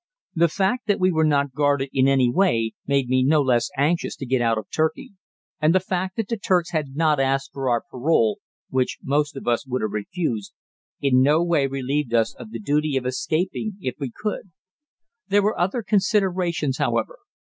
The fact that we were not guarded in any way made me no less anxious to get out of Turkey; and the fact that the Turks had not asked for our parole, which most of us would have refused, in no way relieved us of the duty of escaping if we could. There were other considerations, however.